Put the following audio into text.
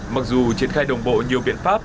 mặc dù triển khai đồng bộ nhiều biện pháp